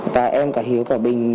và em cả hiếu cả bình